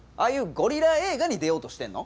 ゴリラ映画に出ようとしてるの？